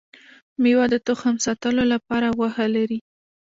ميوه د تخم ساتلو لپاره غوښه لري